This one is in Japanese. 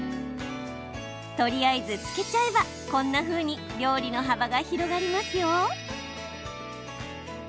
とりあえず漬けちゃえばこんなふうに料理の幅が広がりますよ。